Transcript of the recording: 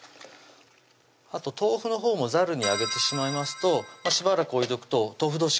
あと豆腐のほうもざるに上げてしまいますとしばらく置いとくと豆腐どうし